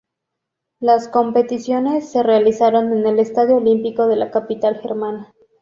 Las competiciones se realizaron en el Estadio Olímpico de la capital germana.